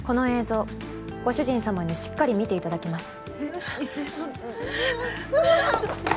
ぞうご主人様にしっかり見ていただきます。